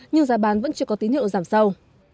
nhưng giá bán vẫn chưa có tín hiệu giảm sâu